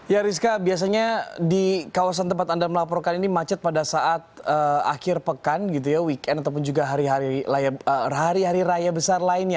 ya rizka biasanya di kawasan tempat anda melaporkan ini macet pada saat akhir pekan weekend ataupun juga hari hari raya besar lainnya